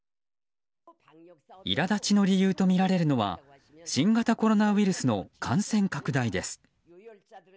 苛立ちの理由とみられるのは新型コロナウイルスの感染拡大です。